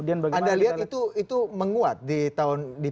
anda lihat itu menguat di